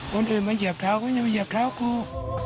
คนอื่นมาเหยียบเท้าก็ยังไม่เหยียบเท้าครู